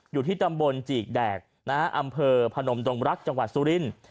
อยู่ที่ตำบลจีกแดกนะฮะอำเภอพนมดงรักจังหวัดสุรินทร์